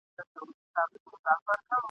آیا تعلیم د بېوزلۍ مخه نیسي؟